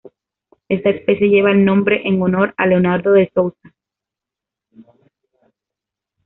Esta especie lleva el nombre en honor a Leonardo De Sousa.